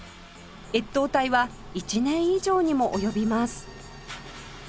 越冬隊は１年以上にも及びます